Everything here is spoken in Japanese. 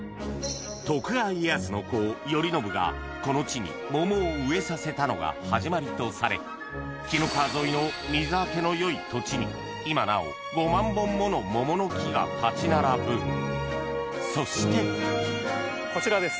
徳川家康の子頼宣がこの地に桃を植えさせたのが始まりとされ紀の川沿いの水はけの良い土地に今なおが立ち並ぶそしてこちらです。